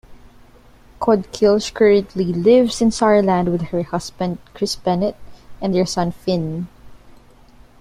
Kohde-Kilsch currently lives in Saarland with her husband, Chris Bennett, and their son, Fynn.